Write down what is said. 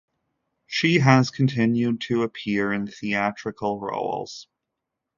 She has continued to appear in theatrical roles.